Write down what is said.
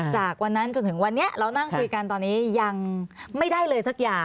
จากวันนั้นจนถึงวันนี้เรานั่งคุยกันตอนนี้ยังไม่ได้เลยสักอย่าง